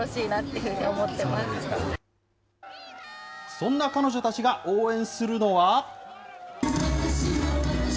そんな彼女たちが応援するのは。